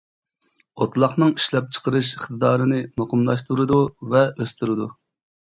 ئوتلاقنىڭ ئىشلەپچىقىرىش ئىقتىدارىنى مۇقىملاشتۇرىدۇ ۋە ئۆستۈرىدۇ.